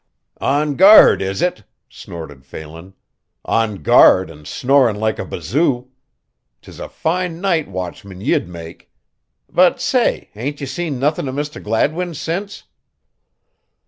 "On guard, is it?" snorted Phelan. "On guard an' snorin' like a bazoo. 'Tis a fine night watchman ye'd make. But, say, hain't ye seen nothin' o' Mr. Gladwin since?"